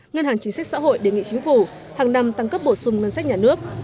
ngân hàng chính sách xã hội đề nghị chính phủ hàng năm tăng cấp bổ sung ngân sách nhà nước